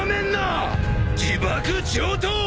自爆上等！